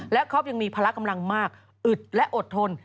และคอปยังมีพละกำลังมากอึดและอดทน